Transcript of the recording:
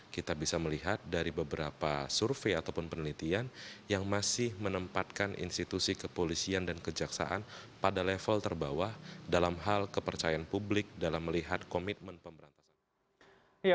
kita bisa melihat dari beberapa survei ataupun penelitian yang masih menempatkan institusi kepolisian dan kejaksaan pada level terbawah dalam hal kepercayaan publik dalam melihat komitmen pemberantasan korupsi